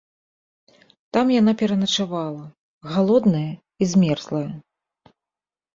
Там яна пераначавала, галодная і змерзлая.